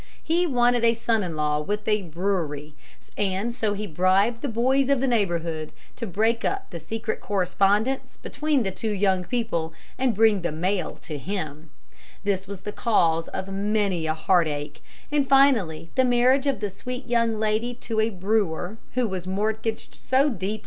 He wanted a son in law with a brewery; and so he bribed the boys of the neighborhood to break up a secret correspondence between the two young people and bring the mail to him. This was the cause of many a heart ache, and finally the marriage of the sweet young lady to a brewer who was mortgaged so deeply that he wandered off somewhere and never returned.